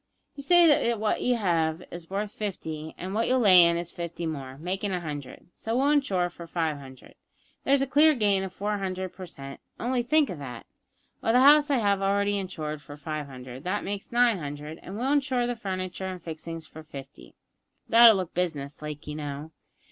You say what you have is worth fifty, and what you'll lay in is fifty more, makin' a hundred, so we'll insure for five hundred; there's a clear gain of four hundred per cent, only think of that! Well, the house I have already insured for five hundred, that makes nine hundred, and we'll insure the furniture and fixings for fifty; that'll look business like, you know.